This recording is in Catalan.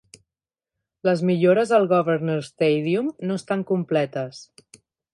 Les millores al Governors Stadium no estan completes.